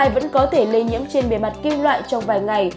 vẫn có thể lây nhiễm trên bề mặt kim loại trong vài ngày